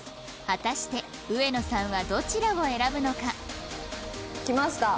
果たして植野さんはどちらを選ぶのか？来ました。